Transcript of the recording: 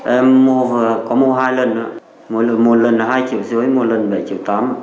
em mua có mua hai lần một lần hai triệu dưới một lần bảy triệu tám